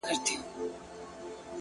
• ما مجسمه د بې وفا په غېږ كي ايښې ده ـ